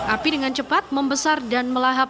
api dengan cepat membesar dan melahap